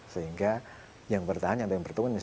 sehingga yang bertahan yang bertahan